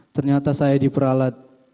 ternyata saya diperalat